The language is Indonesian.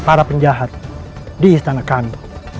para penjahat di istana kami